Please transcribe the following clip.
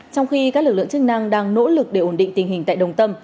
trong khi các lực lượng chức năng đang nỗ lực để ổn định tình hình tại đồng tâm